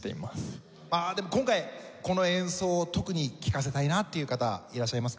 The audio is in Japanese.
でも今回この演奏を特に聴かせたいなっていう方いらっしゃいますか？